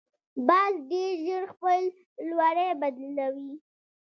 باز ډیر ژر خپل لوری بدلوي